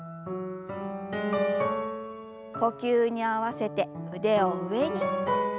呼吸に合わせて腕を上に。